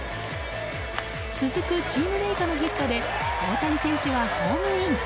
続くチームメートのヒットで大谷選手はホームイン。